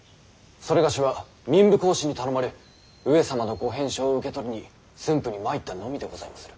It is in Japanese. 某は民部公子に頼まれ上様のご返書を受け取りに駿府に参ったのみでございまする。